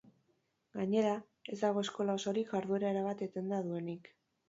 Gainera, ez dago eskola osorik jarduera erabat etenda duenik.